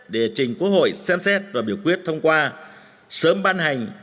để trình quốc hội xem xét và biểu quyết thông qua sớm ban hành